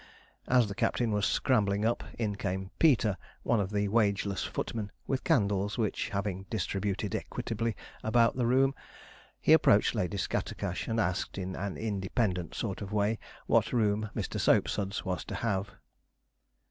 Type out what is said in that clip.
As the captain was scrambling up, in came Peter one of the wageless footmen with candles, which having distributed equitably about the room, he approached Lady Scattercash, and asked, in an independent sort of way, what room Mr. Soapsuds was to have.